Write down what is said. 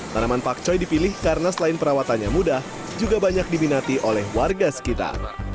tanaman pakcoy dipilih karena selain perawatannya mudah juga banyak diminati oleh warga sekitar